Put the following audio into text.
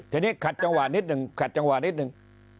ทีนี้ขัดจังหวะนิดหนึ่งขัดจังหวะนิดนึง